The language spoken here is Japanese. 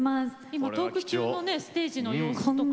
今トーク中のねステージの様子とか。